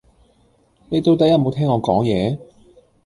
你到底有無聽我講野？